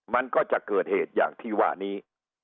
มันก็จะเกิดเหตุอย่างที่ว่านี้